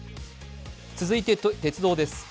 続いて鉄道です。